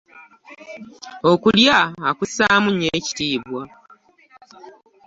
Okulya akussaamu nnyo ekitiibwa.